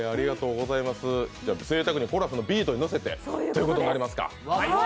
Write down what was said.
じゃあ、ぜいたくにＣｏＬｏＡさんのビートにのせてということになりますか。